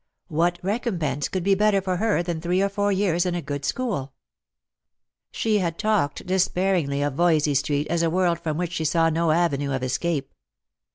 What recompense could be better for her than three or four years in a good school ? She had talked despairingly of Voysey street as a world from which she saw no avenue of escape.